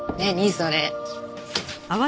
それ。